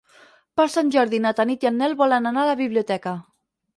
Per Sant Jordi na Tanit i en Nel volen anar a la biblioteca.